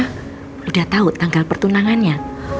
lu udah tau tanggal pertunangannya